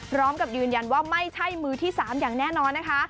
พร้อมกับยืนยันว่าไม่ใช่มือที่๓อย่างแน่นอนนะคะ